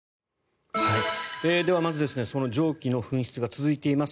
では、まずその蒸気の噴出が続いています